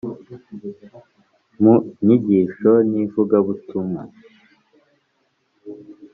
mu nyigisho n ivugabutumwa